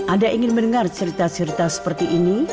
anda ingin mendengar cerita cerita seperti ini